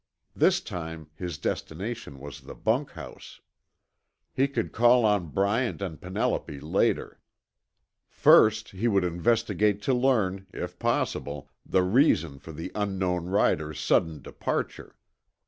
This time his destination was the bunkhouse. He could call on Bryant and Penelope later. First, he would investigate to learn, if possible, the reason for the unknown rider's sudden departure.